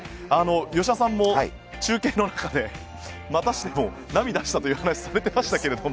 吉田さんも中継の中でまたしても涙されたという話されていましたけれども。